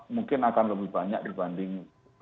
mungkin akan lebih banyak dibanding dua ribu sembilan belas